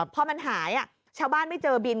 พอมันหายชาวบ้านไม่เจอบิน